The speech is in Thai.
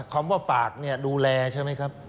คำว่าฝากเนี่ยดูแลใช่ไหมครับ